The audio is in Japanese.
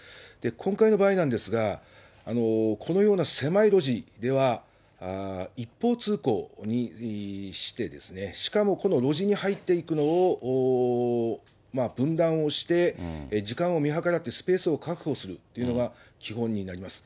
今回の場合なんですが、このような狭い路地では一方通行にしてですね、しかもこの路地に入っていくのを分断をして、時間を見計らってスペースを確保するっていうのが基本になります。